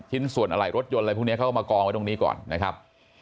ชิ้นส่วนอะไรรถยนต์อะไรพวกนี้เขาก็มากองไว้ตรงนี้ก่อนนะครับ